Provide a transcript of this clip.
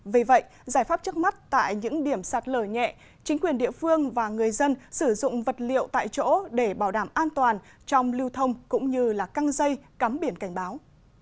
vì vậy giải pháp trước mắt tại những điểm sạt lở nhẹ chính quyền địa phương và người dân sử dụng vật liệu tại chỗ để bảo đảm an toàn trong lưu thông cũng như căng dây cắm biển cảnh báo